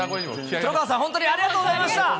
黒川さん、本当にありがとうございました。